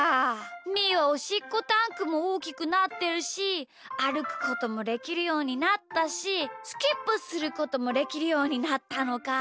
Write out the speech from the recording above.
みーはおしっこタンクもおおきくなってるしあるくこともできるようになったしスキップすることもできるようになったのか。